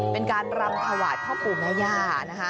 เป็นการรำทวายเขาผู้มยา